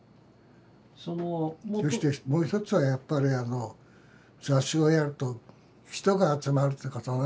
そしてもう一つはやっぱりあの雑誌をやると人が集まるってことね。